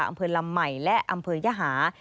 อำเภอลำใหม่และอำเภอยหา